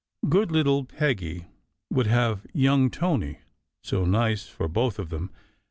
"Good little Peggy" would have young Tony, so nice for both of them!